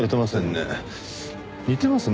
似てますね